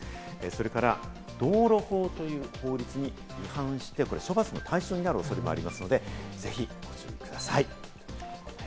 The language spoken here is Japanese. それから道路法という法律に違反して処罰の対象になる恐れもありますので、ぜひご注意ください。